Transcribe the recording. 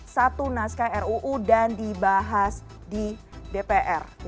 satu naskah ruu dan dibahas di dpr